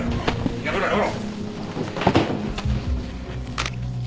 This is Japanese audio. やめろやめろ！